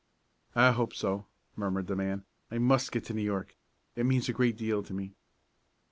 "I hope so," murmured the man. "I must get to New York it means a great deal to me."